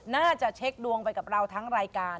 น่าจะเช็คดวงไปกับเราทั้งรายการ